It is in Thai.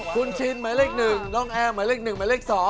คุณชินหมายเลข๑น้องแอร์หมายเลข๑หมายเลข๒